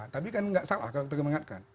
tapi kan nggak salah kalau kita mengingatkan